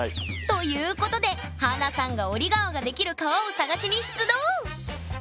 ということで華さんが折り革ができる革を探しに出動！